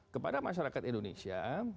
kepada masyarakat indonesia